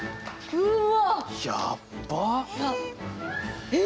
うわ。